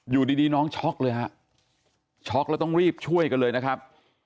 อยู่ดีน้องช็อกเลยฮะช็อกแล้วต้องรีบช่วยกันเลยนะครับ